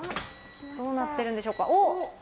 どうなってるんでしょうか？